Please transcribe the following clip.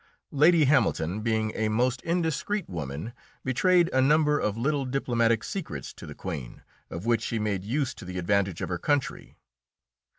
Lady Hamilton, being a most indiscreet woman, betrayed a number of little diplomatic secrets to the Queen, of which she made use to the advantage of her country.